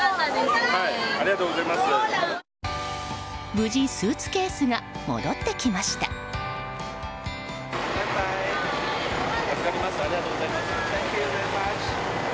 無事、スーツケースが戻ってきました。